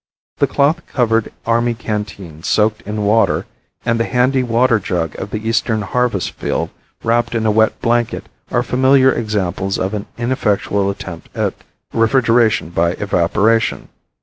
The cloth covered army canteen soaked in water and the handy water jug of the eastern harvest field wrapped in a wet blanket are familiar examples of an ineffectual attempt at refrigeration by evaporation.